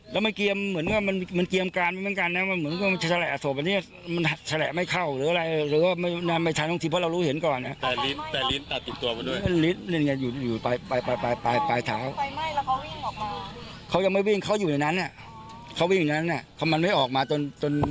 นักศึกษาธิปเชียร์เหมือนกับประสาทนั้น